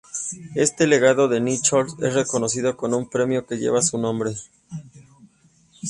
Este legado de Nichols es reconocido con un premio que lleva su nombre.